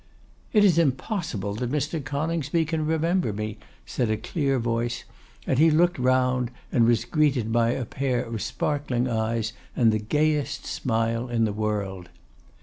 'It is impossible that Mr. Coningsby can remember me!' said a clear voice; and he looked round, and was greeted by a pair of sparkling eyes and the gayest smile in the world.